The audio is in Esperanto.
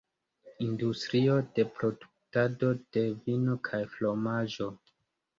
Industrio de produktado de vino kaj fromaĝo.